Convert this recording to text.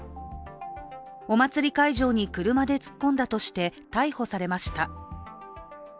お祭り会場に車で突っ込んだとして逮捕されました。